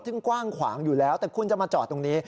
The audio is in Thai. ซึ่งกว้างขวางอยู่แล้วแต่คุณจะมาจอดตรงนี้